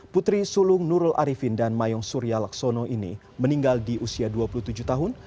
putri sulung nurul arifin dan mayong surya laksono ini meninggal di usia dua puluh tujuh tahun